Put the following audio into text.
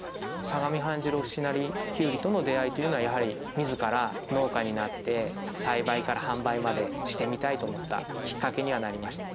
相模半白節成キュウリとの出会いというのはやはり自ら農家になって栽培から販売までしてみたいと思ったきっかけにはなりました。